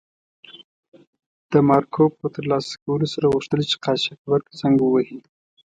د مارکو په تر لاسه کولو سره غوښتل چې قاچاقبر ته زنګ و وهي.